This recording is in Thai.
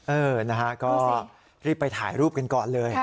เออนะฮะก็รีบไปถ่ายรูปกันก่อนเลย